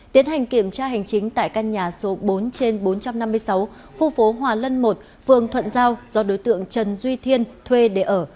tiến hành kiểm tra hành chính tại căn nhà số bốn trên bốn trăm năm mươi sáu khu phố hòa lân một phường thuận giao do đối tượng trần duy thiên thuê để ở